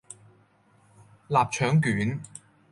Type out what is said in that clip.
臘腸卷